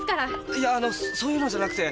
いやそういうのじゃなくて。